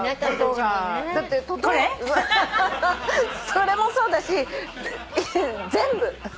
それもそうだし全部！